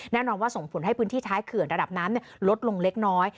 แน่นอนว่าส่งผลให้พื้นที่ท้ายเขื่อนระดับน้ำลดลงเล็กน้อย